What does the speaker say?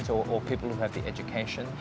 atau orang yang memiliki pendidikan